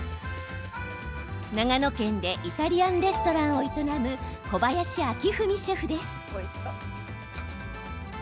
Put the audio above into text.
長野県でイタリアンレストランを営む小林論史シェフです。